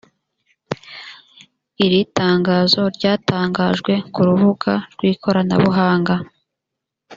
iri tangazo ryatangarijwe ku rubuga rw ikoranabuhanga